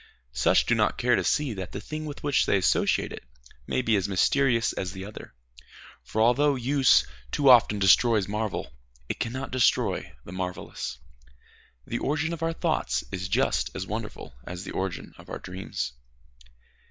Such do not care to see that the thing with which they associate it may be as mysterious as the other. For although use too often destroys marvel, it cannot destroy the marvellous. The origin of our thoughts is just as wonderful as the origin of our dreams.